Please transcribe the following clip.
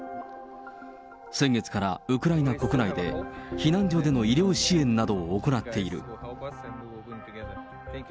先月から、ウクライナ国内で避難所での医療支援などを行っている。